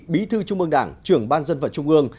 bí thư trung ương đảng trưởng ban dân vận trung ương